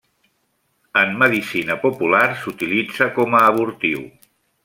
En medicina popular s'utilitza com a abortiu.